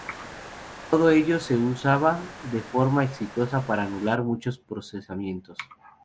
Todo ello se usaba de forma exitosa para anular muchos procesamientos.